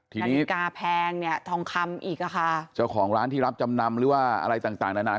ทีนี้กาแพงเนี่ยทองคำอีกอ่ะค่ะเจ้าของร้านที่รับจำนำหรือว่าอะไรต่างต่างนานา